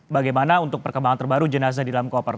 bagaimana untuk perkembangan terbaru jenazah di dalam koper